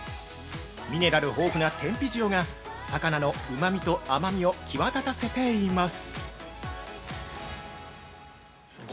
ミネラル豊富な天日塩が魚のうまみと甘みを際立たせています。